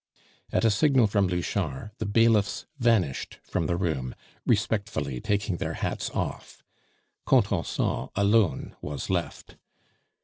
At a signal from Louchard the bailiffs vanished from the room, respectfully taking their hats off. Contenson alone was left.